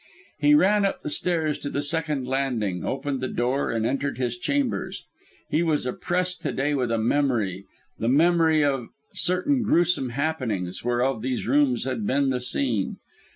He ran up the stairs to the second landing, opened the door, and entered his chambers. He was oppressed to day with a memory, the memory of certain gruesome happenings whereof these rooms had been the scene.